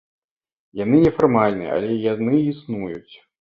Яны нефармальныя, але яны існуюць.